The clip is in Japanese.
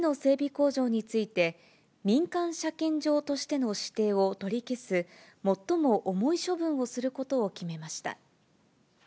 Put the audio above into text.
工場について、民間車検場としての指定を取り消す最も重い処分をすることを決めました。